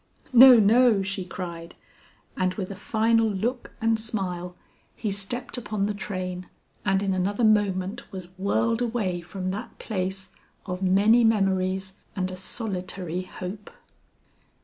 "No, no," she cried. And with a final look and smile he stepped upon the train and in another moment was whirled away from that place of many memories and a solitary hope.